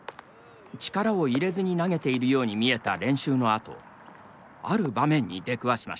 力を入れずに投げているように見えた練習のあとある場面に出くわしました。